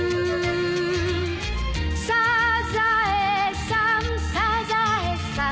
「サザエさんサザエさん」